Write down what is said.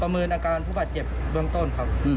เมินอาการผู้บาดเจ็บเบื้องต้นครับ